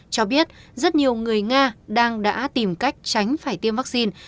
cho biết rất nhiều người nga đang đã tìm cách tránh phải tiêm vaccine